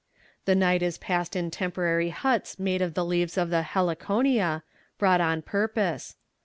The night is passed in temporary huts made of the leaves of the heliconia, brought on purpose.